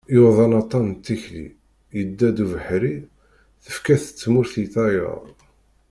Yuḍen aṭan n tikli, yedda d ubeḥri, tefka-t tmurt i tayeḍ.